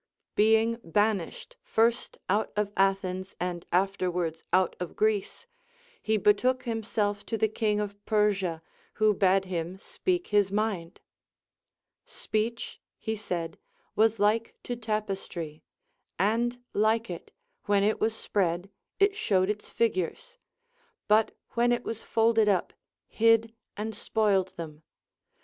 Being banished first out of Athens and afterwards out of Greece, he betook himself to the king of Persia, Λνΐιο bade him speak his mind. Speech, he said, Λvas like to tapestry ; and like it, when it Avas spread, it showed its figures, but when VOL. I. 14 210 THE APOPHTHEGMS OF KINGS it was folded up, hid and spoiled them.